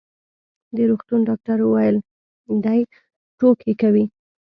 د روغتون ډاکټر وویل: دی ټوکې کوي.